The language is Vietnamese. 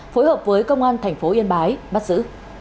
phối hợp với công an thành phố yên bái